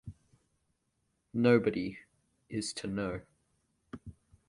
Nobody is to know.